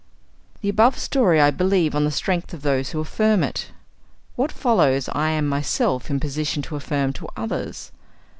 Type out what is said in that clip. The above story I believe on the strength of those who affirm it. What follows I am myself in a position to affirm to others.